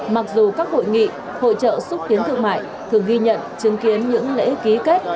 mặc dù các hội nghị hội trợ xúc tiến thương mại thường ghi nhận chứng kiến những lễ ký kết